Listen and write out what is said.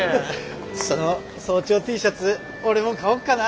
その総長Ｔシャツ俺も買おっかな。